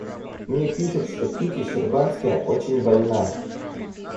Мне пишут, что Кити Щербацкая очень больна.